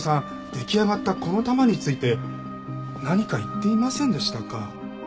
出来上がったこの玉について何か言っていませんでしたか？